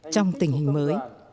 trong tình hình mới